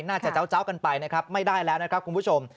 เจ้ากันไปนะครับไม่ได้แล้วนะครับคุณผู้ชม